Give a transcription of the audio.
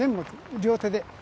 両手で。